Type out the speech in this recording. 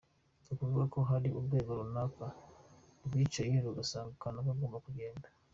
Ni ukuvuga ko hari urwego runaka rwicaye rugasanga kanaka agomba kugenda.